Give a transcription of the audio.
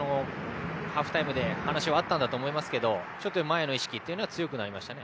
ハーフタイムで話があったんだと思いますが前の意識が強くなりましたよね。